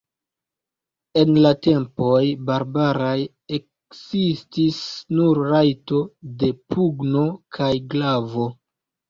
En la tempoj barbaraj ekzistis nur rajto de pugno kaj glavo.